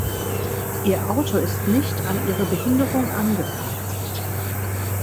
Ihr Auto ist nicht an ihre Behinderung angepasst.